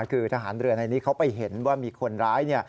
คือทหารเรือในนี้เขาไปเห็นว่ามีคนร้าย